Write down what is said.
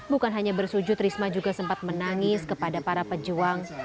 bukan hanya bersujud risma juga sempat menangis kepada para pejuang